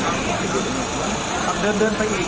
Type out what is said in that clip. ต้องมาดูเกี่ยวกับท่านไปเลย